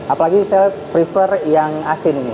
apalagi saya prefer yang asin ini